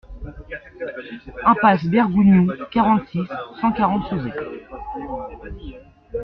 Impasse Bergougnoux, quarante-six, cent quarante Sauzet